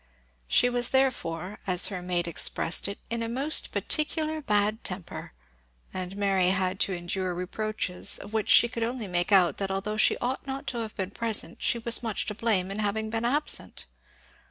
She was therefore, as her maid expressed it, in a most particular bad temper; and Mary had to endure reproaches, of which she could only make out that although she ought not to have been present she was much to blame in having been absent.